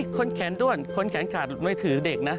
คนแขนด้วนคนแขนขาดมือถือเด็กนะ